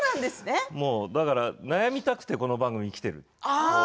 だから悩みたくてこの番組に来ている。